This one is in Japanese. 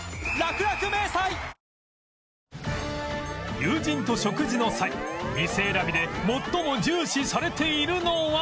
友人と食事の際店選びで最も重視されているのは